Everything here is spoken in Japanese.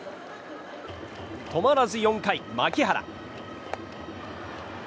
止まらず４回、牧原。